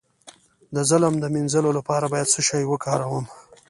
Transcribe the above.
د ظلم د مینځلو لپاره باید څه شی وکاروم؟